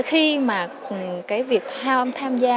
khi mà cái việc tham gia